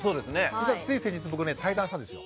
実はつい先日僕ね対談したんですよ。